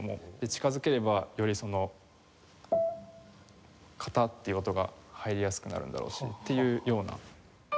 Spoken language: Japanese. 近づければよりそのカタッていう音が入りやすくなるんだろうしっていうような。